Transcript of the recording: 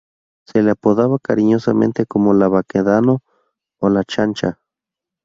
Se le apodaba cariñosamente como "La Baquedano" o "La Chancha".